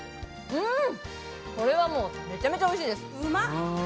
これはもう、めちゃめちゃおいしいです。